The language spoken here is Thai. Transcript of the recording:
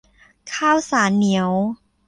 ข้าวสารเหนียว